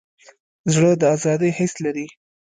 زړه د ازادۍ حس لري.